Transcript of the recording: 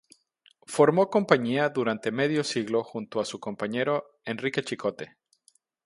Formó compañía durante medio siglo junto a su compañero Enrique Chicote.